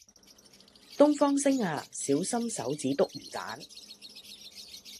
東方昇正呀，小心手指篤魚蛋